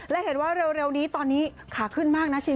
และเห็นว่าเร็วนี้ตอนนี้ขาขึ้นมากนะชิม